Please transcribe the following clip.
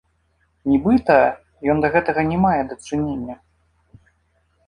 Нібыта, ён да гэтага не мае дачынення.